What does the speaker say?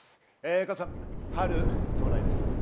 加藤さん、春到来です。